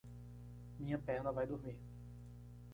Minha perna vai dormir.